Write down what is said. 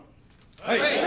はい！